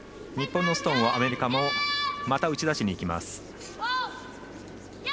日本のストーンはアメリカまた打ち出しにいきます。